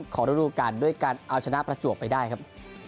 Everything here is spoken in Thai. ระดูการด้วยการเอาชนะประจวบไปได้ครับ